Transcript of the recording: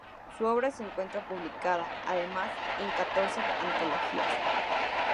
Su obra se encuentra publicada, además, en catorce antologías.